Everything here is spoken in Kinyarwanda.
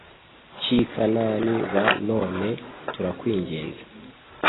cy i Kanani b None turakwinginze